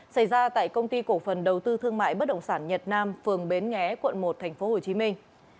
xảy ra tại công ty cổ phần đầu tư thương mại bất động sản nhật nam phường bến nghé quận một thành phố hồ chí minh